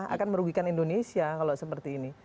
akan merugikan indonesia kalau seperti ini